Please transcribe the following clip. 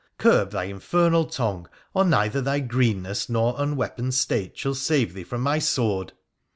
Curb thy infernal tongue, or neither thy greenness nor unweaponed state shall save thee from my sword